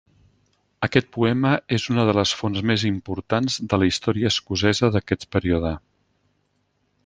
Aquest poema és una de les fonts més importants de la història escocesa d'aquest període.